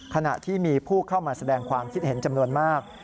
ขณะที่มีผู้เข้ามาแสดงความคิดเห็นจำนวนมาก